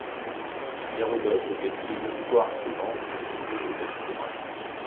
Hérodote décrit l'histoire suivante au sujet de cette couronne.